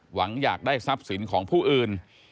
หวังอยากได้ทรัพย์สินของผู้อื่น